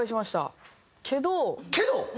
けど？